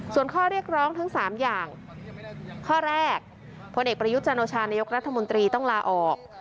ส่วนข้อเรียกร้องทั้ง๓อย่างข้อแรกพลเอกประยุทธ์จันโอชานายกรัฐมนตรีต้องลาออก